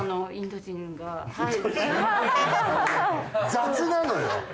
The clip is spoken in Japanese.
雑なのよ！